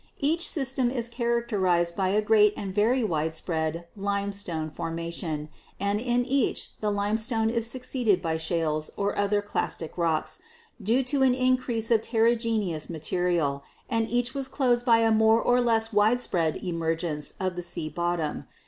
Each system is characterized by a great and very widespread limestone formation, and in each the limestone is succeeded by shales or other clastic rocks, due to an increase of ter rigenous material, and each was closed by a more or less widespread emergence of the sea bottom.